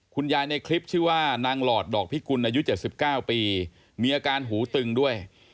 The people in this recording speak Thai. ในคลิปชื่อว่านางหลอดดอกพิกุลอายุ๗๙ปีมีอาการหูตึงด้วย